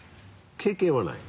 経験はない。